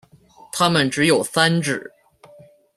它们只有三趾。